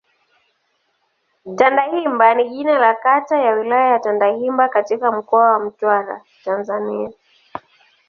Tandahimba ni jina la kata ya Wilaya ya Tandahimba katika Mkoa wa Mtwara, Tanzania.